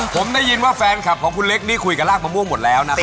ผมได้ยินว่าแฟนคลับของคุณเล็กนี่คุยกับรากมะม่วงหมดแล้วนะครับ